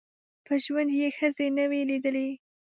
په ژوند یې ښځي نه وې لیدلي